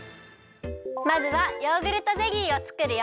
まずはヨーグルトゼリーをつくるよ。